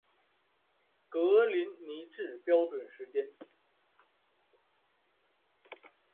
格林尼治标准时间